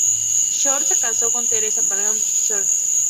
Short se casó con Teresa Palladino-Short.